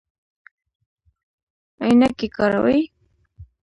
عینکې کاروئ؟